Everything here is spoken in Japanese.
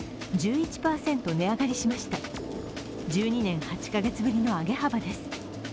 １２年８カ月ぶりの上げ幅です。